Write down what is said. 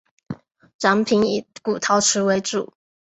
展品以古陶瓷为主。